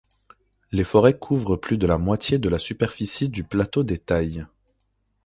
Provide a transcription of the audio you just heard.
Les forêts couvrent plus de la moitié de la superficie du plateau des Tailles.